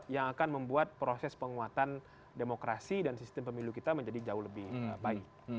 yang akan membuat proses penguatan demokrasi dan sistem pemilu kita menjadi jauh lebih baik